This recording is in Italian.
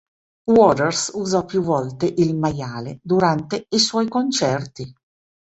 Waters usò più volte il maiale durante i suoi concerti.